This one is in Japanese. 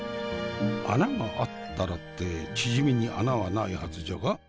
穴があったらってチヂミに穴はないはずじゃが。